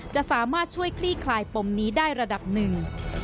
จะสามารถช่วยคลี่คลายปมนี้ได้ระดับหนึ่ง